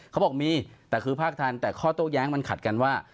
เขาบอกมีแต่คือภาคทันแต่ข้อโต้แย้งมันขัดกันว่า